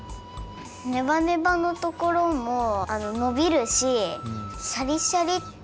ネバネバのところものびるしシャリシャリってかんじがした。